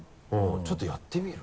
ちょっとやってみる？